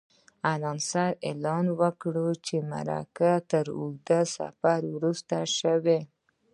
انانسر اعلان وکړ چې مرکه تر اوږده سفر وروسته شوې.